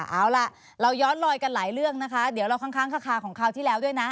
เอาล่ะเราย้อนลอยกันหลายเรื่องนะคะเดี๋ยวเราค้างคาของคราวที่แล้วด้วยนะ